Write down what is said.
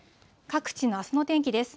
各地のあすの天気です。